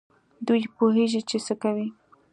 دوی پوهېږي چي څه کوي.